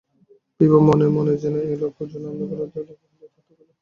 বিভা মনে মনে যেন এই লক্ষ যোজন অন্ধকারের পথে একাকিনী যাত্রা করিল।